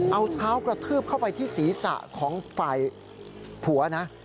เอาเท้ากระทืบเข้าไปที่ศีรษะของฝ่ายผัวนะ